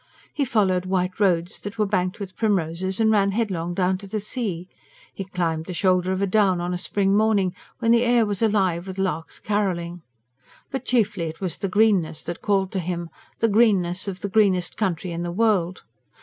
He followed white roads that were banked with primroses and ran headlong down to the sea; he climbed the shoulder of a down on a spring morning, when the air was alive with larks carolling. But chiefly it was the greenness that called to him the greenness of the greenest country in the world.